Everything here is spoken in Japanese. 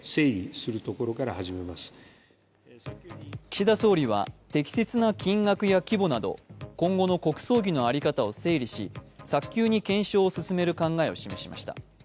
岸田総理は適切な金額や規模など今後の国葬儀の在り方を整理し早急に検証を進める考えを示しました。